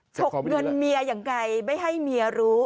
ฉกเงินเมียยังไงไม่ให้เมียรู้